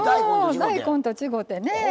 大根と違うてね。